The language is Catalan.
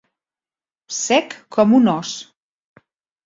Sec com un os.